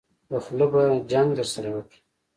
په خوله به جګ درسره وکړم.